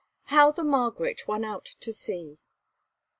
HOW THE MARGARET WON OUT TO SEA.